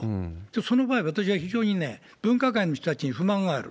その場合、私は非常にね、分科会の人たちに不満がある。